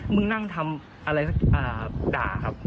มึงนั่งทำอะไรสักด่าครับ